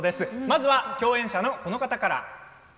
まずは共演者のこの方から。